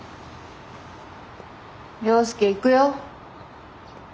涼介行くよ。